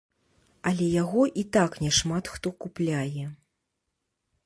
Але яго і так няшмат хто купляе.